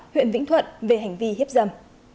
huyện vĩnh thuận về hành vi hiếp dầm